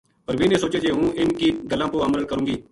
پروین نے سوچیو جے ہوں اِنھ کی گلاں پو عمل کروں گی